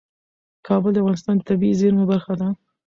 کابل د افغانستان د طبیعي زیرمو برخه ده.